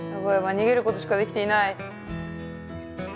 逃げることしかできていない。